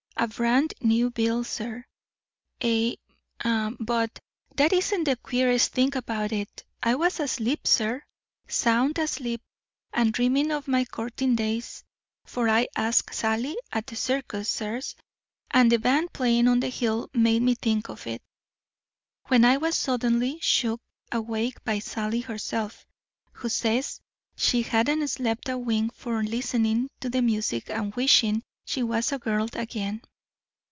A brand new bill, sir, a But that isn't the queerest thing about it. I was asleep, sir, sound asleep, and dreaming of my courting days (for I asked Sally at the circus, sirs, and the band playing on the hill made me think of it), when I was suddenly shook awake by Sally herself, who says she hadn't slept a wink for listening to the music and wishing she was a girl again.